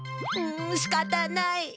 んんしかたない。